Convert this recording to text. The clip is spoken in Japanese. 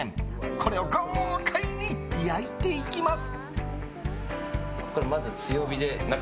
これを豪快に焼いていきます！